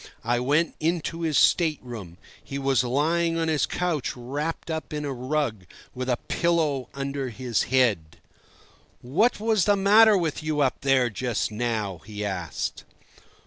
I went into his state room; he was lying on his couch wrapped up in a rug, with a pillow under his head. "What was the matter with you up there just now?" he asked.